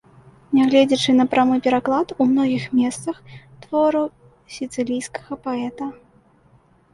Нягледзячы на прамы пераклад у многіх месцах твораў сіцылійскага паэта.